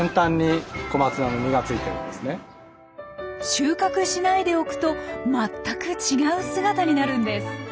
収穫しないでおくと全く違う姿になるんです。